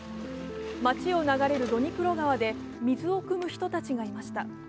街を流れるドニプロ川で水をくむ人たちがいました。